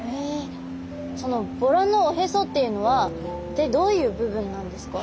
そのボラのおへそっていうのは一体どういう部分なんですか？